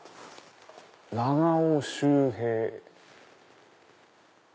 長尾秀平。